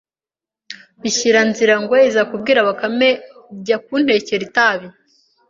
bishyira nziraIngwe iza kubwira Bakame jya kuntekerera itabi